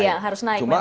iya harus naik memang